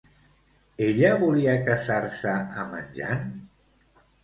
Ella volia casar-se amb en Jan?